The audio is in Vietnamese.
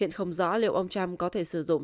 hiện không rõ liệu ông trump có thể sử dụng